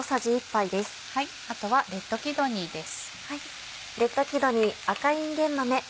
あとはレッドキドニーです。